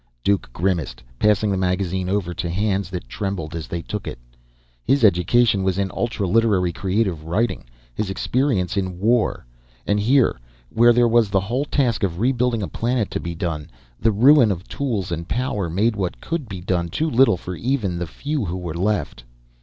Duke grimaced, passing the magazine over to hands that trembled as they took it. His education was in ultra literary creative writing, his experience in war. And here, where there was the whole task of rebuilding a planet to be done, the ruin of tools and power made what could be done too little for even the few who were left.